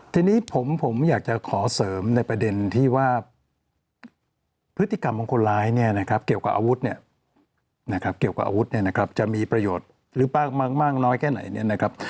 ทีนี้ผมอยากจะขอเสริมในประเด็นที่ว่าพฤติกรรมของคนร้ายเนี่ยนะครับเกี่ยวกับอาวุธเนี่ยนะครับเกี่ยวกับอาวุธเนี่ยนะครับจะมีประโยชน์หรือมากน้อยแค่ไหนเนี่ยนะครับ